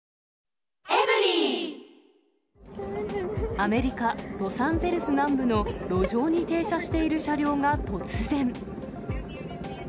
アメリカ・ロサンゼルス南部の路上に停車している車両が突然。